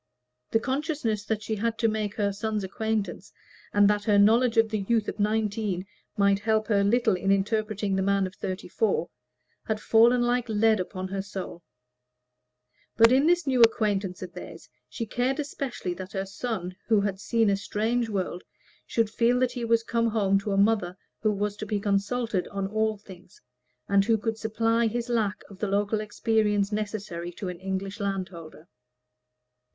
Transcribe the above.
The consciousness that she had to make her son's acquaintance, and that her knowledge of the youth of nineteen might help her little in interpreting the man of thirty four, had fallen like lead on her soul; but in this new acquaintance of theirs she cared especially that her son, who had seen a strange world, should feel that he was come home to a mother who was to be consulted on all things, and who could supply his lack of the local experience necessary to an English landholder.